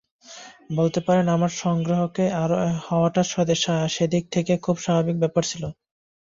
বলতে পারেন আমার সংগ্রাহক হওয়াটা সেদিক থেকে খুব স্বাভাবিক ব্যাপার ছিল।